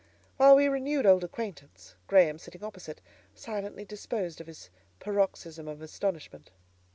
While we renewed old acquaintance, Graham, sitting opposite, silently disposed of his paroxysm of astonishment.